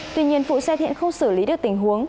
tuy nhiên phụ xe thiện không xử lý được tình huống